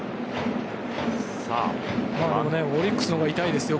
オリックスの方が痛いですよ